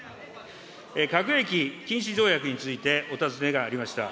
核兵器禁止条約についてお尋ねがありました。